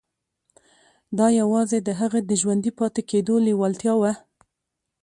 دا یوازې د هغه د ژوندي پاتې کېدو لېوالتیا وه